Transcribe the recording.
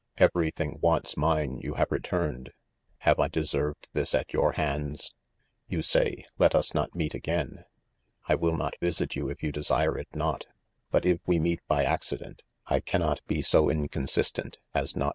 — Everything once mine you have returned;' have I deserved this at your hands X You say '" let us hot meet again." —■ I will not visit you if you desire it not, but if we meet by accident, I cannot be so inconsis tent, as not.